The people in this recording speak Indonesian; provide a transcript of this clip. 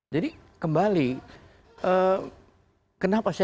jadi kembali kenapa saya sampaikan tadi